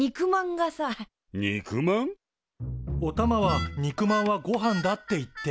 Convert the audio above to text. おたまは「肉まんはごはんだ」って言って。